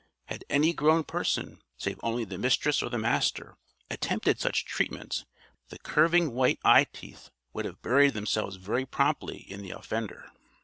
Had any grown person, save only the Mistress or the Master, attempted such treatment, the curving white eyeteeth would have buried themselves very promptly in the offender.